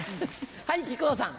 はい木久扇さん。